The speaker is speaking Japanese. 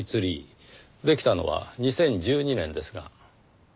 できたのは２０１２年ですが。